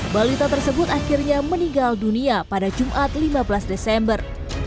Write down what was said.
balita tersebut akhirnya meninggal dunia pada jumat lima belas desember